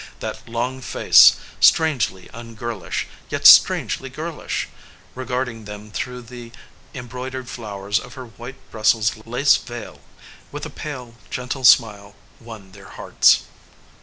That long face, strangely un girlish, yet strangely girlish, regarding them through the embroidered flowers of her white Brus sels lace veil, with a pale, gentle smile, won their hearts.